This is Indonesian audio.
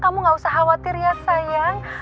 kamu gak usah khawatir ya sayang